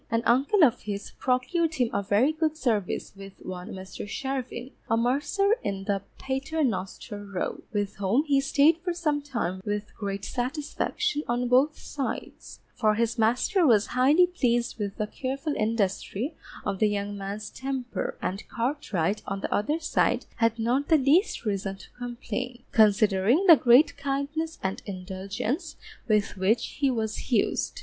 An uncle of his procured him a very good service with one Mr. Charvin, a mercer in Paternoster Row, with whom he Stayed for some time with great satisfaction on both sides; for his master was highly pleased with the careful industry of the young man's temper, and Cartwright on the other side had not the least reason to complain, considering the great kindness and indulgence with which he was used.